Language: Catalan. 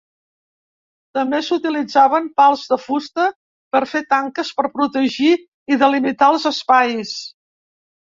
També s’utilitzaven pals de fusta per fer tanques per protegir i delimitar els espais.